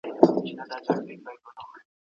استازي به د فساد پر وړاندې د مبارزي غوښتنه وکړي.